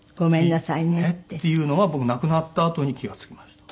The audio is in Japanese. っていうのは僕亡くなったあとに気が付きました。